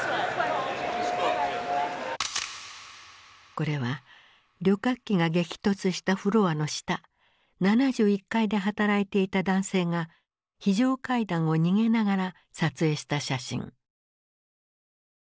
これは旅客機が激突したフロアの下７１階で働いていた男性が非常階段を逃げながら撮影した写真。